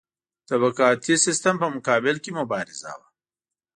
طبقاتي سیستم په مقابل کې مبارزه وه.